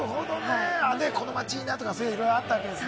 この街いいなとかいろいろあったんですね。